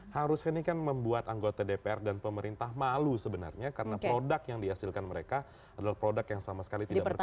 harusnya ini kan membuat anggota dpr dan pemerintah malu sebenarnya karena produk yang dihasilkan mereka adalah produk yang sama sekali tidak berkembang